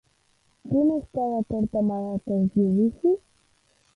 Qui no està d'acord amb aquest judici?